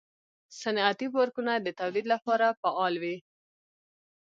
صنعتي پارکونه د تولید لپاره فعال وي.